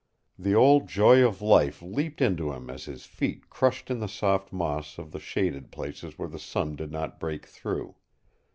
The old joy of life leaped into him as his feet crushed in the soft moss of the shaded places where the sun did not break through.